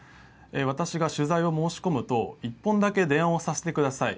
私が取材を申し込むと１本だけ電話をさせてください。